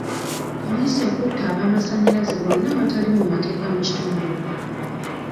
Poliisi ekutte ab'amasannyalaze bonna abatali mu mateeka mu kitundu.